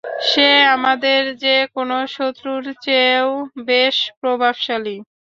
সে আমাদের যে কোনো শত্রুর চেয়েও বেশ প্রভাবশালী!